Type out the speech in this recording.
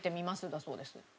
だそうです。